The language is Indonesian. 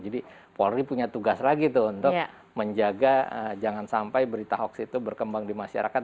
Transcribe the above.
polri punya tugas lagi tuh untuk menjaga jangan sampai berita hoax itu berkembang di masyarakat